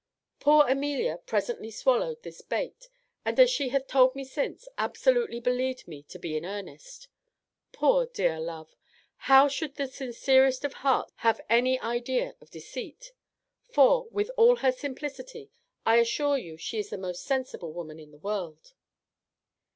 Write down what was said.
"Poor Amelia presently swallowed this bait; and, as she hath told me since, absolutely believed me to be in earnest. Poor dear love! how should the sincerest of hearts have any idea of deceit? for, with all her simplicity, I assure you she is the most sensible woman in the world."